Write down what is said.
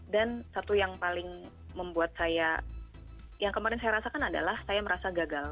dan satu yang paling membuat saya yang kemarin saya rasakan adalah saya merasa gagal